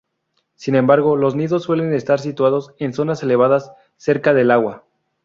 Sin embargo, los nidos suelen estar situados en una zonas elevadas, cerca del agua.